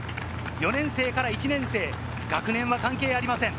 ４年生から１年生、学年は関係ありません。